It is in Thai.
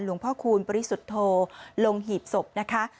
พ่อคูณปริสุทธโธลงหีบศพนะคะ